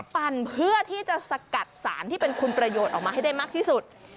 ปั่นเพื่อที่จะสกัดสารที่เป็นคุณประโยชน์ออกมาให้ได้มากที่สุด